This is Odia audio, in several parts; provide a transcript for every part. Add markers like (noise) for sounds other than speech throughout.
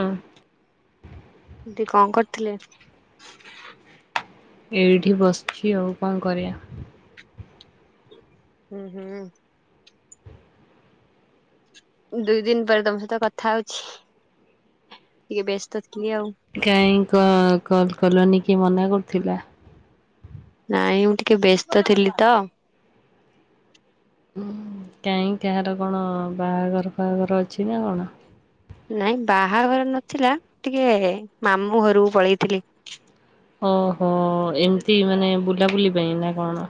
ହଁ। (unintelligible) କଣ କରିଥିଲେ? ଏଇଠି ବସିଛି ଆଉ କଣ କରିବା। ହୁଁ ହୁଁ। ଦୁଇ ଦିନ ପରେ ତମ ସହିତ କଥା ହଉଛି ଟିକେ ବ୍ୟସ୍ତ ଥିଲି ଆଉ କାହିଁ କ କଲ୍ କରିଲନି କିଏ ମନା କରୁଥିଲା ନାଇଁ ମୁଁ ଟିକେ ବ୍ୟସ୍ତ ଥିଲି ତ କାହିଁ କାହାର କଣ ବାହାଘର ଫହାଘର ଅଛି ନାଁ କଣ। ନାଇଁ ବାହାଘର ନଥିଲା ଟିକେ ମାମୁଁ ଘରକୁ ପଳେଇଥିଲି। ଓହୋ, ଏମ୍ତି ମାନେ ବୁଲାବୁଲି ପାଇଁ ନାଁ କଣ।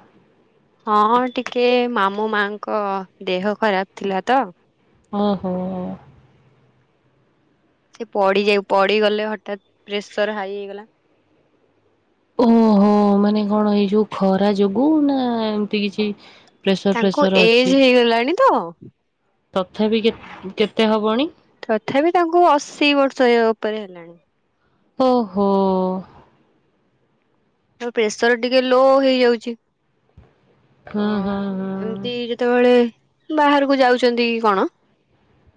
ହଁ ହଁ ଟିକେ ମାମୁଁ ମାଙ୍କ ଦେହ ଖରାପ ଥିଲା ତ ଓହୋ ପଡି ଯାଇ ପଡିିଗଲେ ହଠତ୍ ପ୍ରେସର ହାଇ ହେଇଗଲା ଓହୋ, ମାନେ କଣ ଏଇ ଯୋଉ ଖରା ଯୋଗୁ ନାଁ ଏମ୍ତି କିଛି। ପ୍ରେସର ତାଙ୍କୁ ଫ୍ରେସର ଅଛି ଏଜ ହେଇଗଲାଣି ତ ତଥାପି କେ କେତେ ହବଣି ତଥାପି ତାଙ୍କୁ ଅଶୀ ବର୍ଷ ହେ ଉପରେ ହେଲାଣି ଓହୋ ତ ପ୍ରେସର ଟିକେ ଲୋ ହେଇଯାଉଛି ହୁଁ ତ ହୁଁ ହୁଁ ଏମ୍ତିି ସେତେବେଳେ ବାହାରକୁ ଯାଉଛନ୍ତି କଣ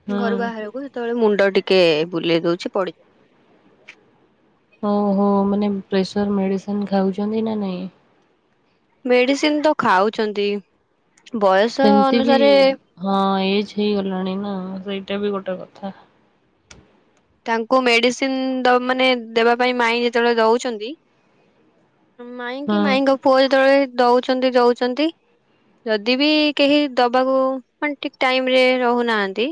ହୁଁ। ଘରୁ ବାହାରକୁ ସେତେବେଳେ ମୁଣ୍ଡ ଟିକେ ବୁଲେଇ ଦଉଚି ପଡି ଓହୋ ଓହୋ ମାନେ ପ୍ରେସର ମେଡ଼ିସିନ ଖାଉଛନ୍ତି ନା ନାଇଁ ମେଡିସିନ ତ ଖାଉଛନ୍ତି ବୟସ ସେମିତି ବି ଅନୁସାରେ। ହଁ ଏଜ ହେଇଗଲାଣି ନାଁ ସେଇଟା ବି ଗୋଟେ କଥା ତାଙ୍କୁ ମେଡିସିନ ଦଅ ମାନେ ଦେବା ପାଇଁ ମାଇଁ ଯେତେବେଳେ ଦଉଛନ୍ତି। ହଁ ମାଇଁକି ମାଇଁଙ୍କ ପୁଅ ଯେତେବେଳେ ଦଉଚନ୍ତି ଦଉଚନ୍ତି। ଯଦି ବି କେହି ଦବାକୁ ମାନେ ଠିକ୍ ଟାଇମ ରେ ରହୁନାହାନ୍ତି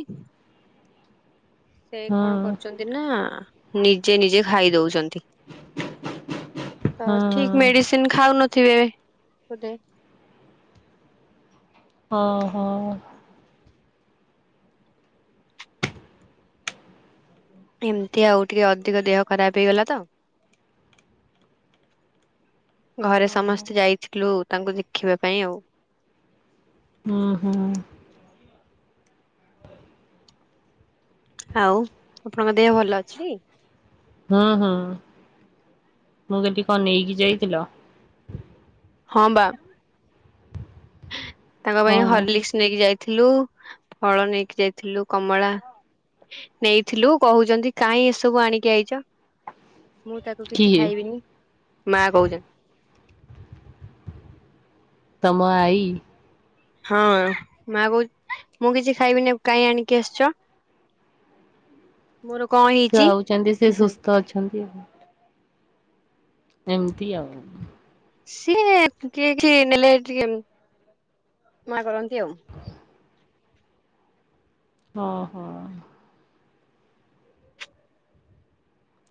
ସେ ହଁ କଣ କରୁଛନ୍ତି ନାଁ ନିଜେ ନିଜେ ଖାଇ ଦଉଛନ୍ତି। ତ ହଁ ଠିକ୍ ମେଡିସିନ ଖାଉନଥିବେ ବୋଧେ ଓହୋ ଓହୋ ଧିମତି ଆଉ ଟିକେ ଅଧିକ ଦେହ ଖରାପ ହେଇଗଲା ତ ଘରେ ସମସ୍ତେ ହୁଁ ଯାଇଥିଲୁ ତାଙ୍କୁ ଦେଖିବା ପାଇଁ ଆଉ ଉଁ ହୁଁ। ଆଉ ଆପଣଙ୍କ ଦେହ ଭଲ ଅଛି କି? ହୁଁ ହୁଁ ମୁଁ କହିଲି କଣ ନେଇକି ଯାଇଥିଲ। ହଁ ବା। ତାଙ୍କ ପାଇଁ କଣ ହରଲିକ୍ସ ନେଇକି ଯାଇଥିଲୁ ଫଳ ନେଇକି ଯାଇଥିଲୁ କମଳା ନେଇଥିଲୁ କହୁଛନ୍ତି କାହିଁ ଏସବୁ ଆଣିକି ଆଇଚ। ମୁଁ ତାକୁ କିଛି କିଏ ଖାଇବିନି ମାଁ କହୁଚନ୍। ତମ ଆଇ ହଁ ମାଁ କହୁଚ୍ ମୁଁ କିଛି ଖାଇବିିନି କାଇହିଁ ଆଣିକି ଆସିଚ। ମୋର କଣ ହେଇଛି ହୁଁ ତଅ ଅଛନ୍ତି ଏମ୍ତି ଆଉ। ସିଏ ଠିଏ ଠିଏ ନେଲେ ଟିକେ ମନା କରନ୍ତି ଆଉ। ହଁ ହଁ।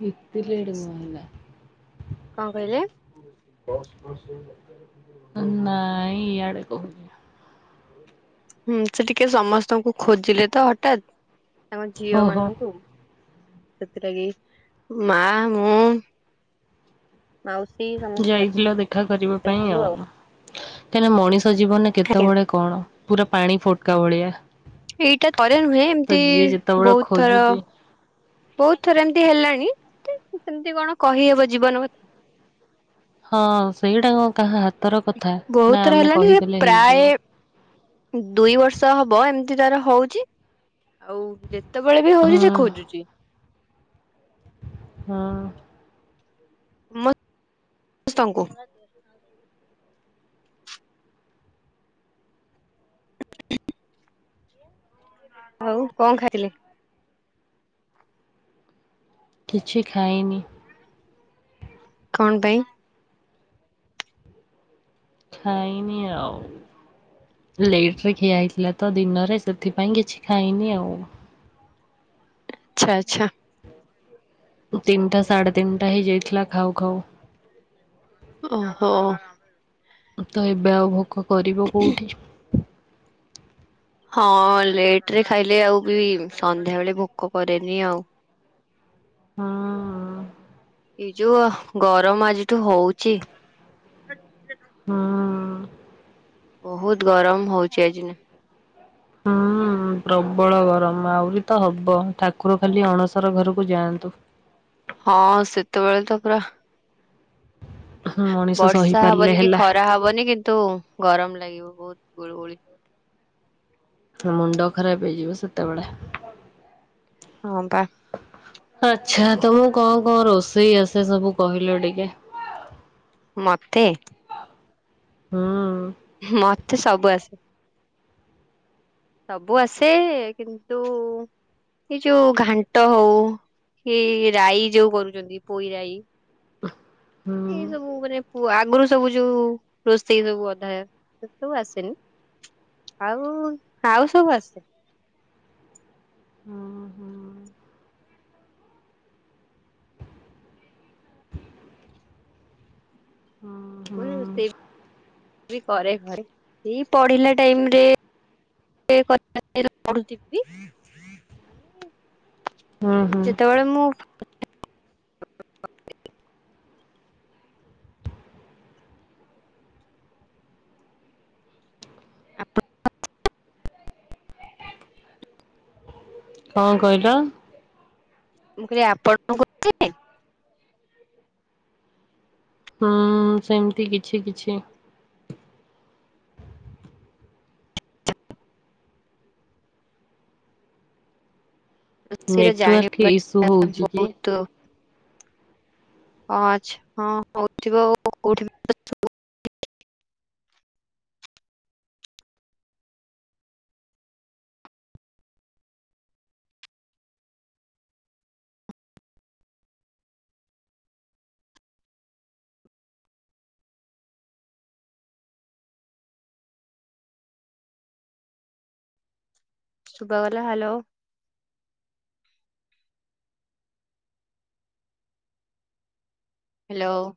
ଏତେ ଲେଟ। କଣ କହିଲେ? (unintelligible) (unintelligible) ନାଇଁ ଇଆଡେ କହୁଥିଲା ହୁଁ ସେ ଟିକେ ସମସ୍ତଙ୍କୁ ଖୋଜିଲେ ତ ହଠାତ୍ ତାଙ୍କ ଝିଅ ଓହୋ ମାନଙ୍କୁ ସେଥିଲାଗି ମା ମୁଁ ମାଉସୀ ଶା ଯାଇଥିଲ ଦେଖା କରିବା ପାଇଁ ଆଉ। କାହିଁକିନା ମଣିଷ ଜୀବନରେ ଆଜ୍ଞା। କେତେବେଳେ କଣ ପୁରା ପାଣି ଫୋଟକା ଭଳିଆ। ଏଇଟା ଥରେ ନୁହେଁ ତ ଏମତି ଯିଏ ଯେତେବେଳେ ବହୁତ ଥର ଖୋଜୁଛି ବହୁତ ଥର ଏମତି ହେଲାଣି ତ ସେମିତି କଣ କହିହବ ଜୀବନ କ ହଁ ସେଇଟା କଣ କାହା ହାତର କଥା ବହୁତ ନା ଥର ଆମେ ହେଲାଣି ସେ କହିଦେଲେ ପ୍ରାୟ ହେଇଯିବ। ଦୁଇ ବର୍ଷ ହବ ଏମିତି ତାର ହଉଚି ଆଉ ଯେତେବେଳେ ବି ହଉଛି ସେ ହଁ ଖୋଜୁଚି। ହଁ। ମୋ ସ୍ତଙ୍କୁ ଆଉ କଣ ଖାଇଥିଲେ? କିଛି ଖାଇନି। କଣ ପାଇଁ? ଖାଇନି ଆଉ। ଲେଟ ରେ ଖିଆ ହେଇଥିଲା ତ ଦିନରେ ସେଥିପାଇଁ କିଛି ଖାଇନି ଆଉ। ଚ୍ଛା ଆଚ୍ଛା। ତିନିଟା ସାଢ଼େ ତିନିଟା ହେଇ ଯାଇଥିଲା ଖାଉ ଖାଉ। ଓହୋ। ତ ଏବେ ଆଉ ଭୋକ କରିବ କୋଉଠି। ହଁ ଲେଟ ରେ ଖାଇଲେ ଆଉ ବି ସନ୍ଧ୍ୟାବେେଳେ ଭୋକ କରେନି ଆଉ। ହଁ। ଏଇ ଯୋଉ ଗରମ ଆଜିଠୁ ହଉଛି ହଁ। ବହୁତ ଗରମ ହଉଛି ଆଜି ନ ହଁ। ହଁ ପ୍ରବଳ ଗରମ ଆହୁରି ତ ହବ ଠାକୁର ଖାଲି ଅଣସର ଘରକୁ ଯାଆନ୍ତୁ। ହଁ ସେତେବେଳେ ତ ପୁରା ମଣିଷ ବର୍ଷା ସହିପାରିଲେ ହବନି କି ହେଲା ଖରା ହବନି କିନ୍ତୁ ଗରମ ଲାଗିବ ବହୁତ ଗୁଳୁ ଗୁଳି। ମୁଣ୍ଡ ଖରାପ ହେଇଯିବ ସେତେବେଳେ। ହଁ ପା ଆଚ୍ଛା ତମକୁ କଣ କଣ ରୋଷେଇ ଆସେ ସବୁ କହିଲ ଟିକେ? ମତେ? ହୁଁ। ମତେ ସବୁ ଆସେ। ସବୁ ଆସେ କିନ୍ତୁ ଏ ଯୋଉ ଘାଣ୍ଟ ହଉ ଏ ରାଈ ଯୋଉ କରୁଛନ୍ତି ପୋଇ ରାଇ ହୁଁ ଏ ସବୁ ମାନେ ପୁ ଆଗୁରୁ ସବୁ ଯୋଉ ରୋଷେଇ ସବୁ ଅଧା ସେ ସବୁ ଆସେନି। ଆଉ ଆଉ ସବୁ ଆସେ। ହଁ ହଁ। (inaudible) ହଁ। (unintelligible) (unintelligible) ଏଇ ପଢ଼ିଲା ଟାଇମ୍ରେ କ ପଢୁଛି ଟି? ହୁଁ ହୁଁ ସେତେବେଳେ ମୁଁ ଆପ (inaudible) କଣ କହିଲ? ମୁଁ କହିଲି ଆପଣ। ହୁଁ, ସେମିତି କିଛି କିଛି। ନେଟୱାର୍କ ଇସ୍ୟୁ ହଉଛି କି? ତ ହଁ ଆଛା ହଁ ହଉଥିବ ଆଉ କୋଉଠି ଆଛ (inaudible) ଶୁଭାଗଲା ହ୍ୟାଲୋ। ହ୍ୟାଲୋ।